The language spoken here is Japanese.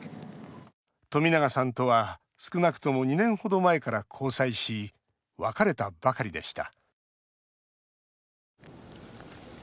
冨永さんとは少なくとも２年程前から交際し別れたばかりでした。